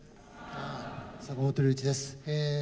坂本龍一です。